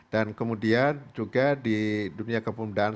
dan kemudian juga di dunia kepemudaan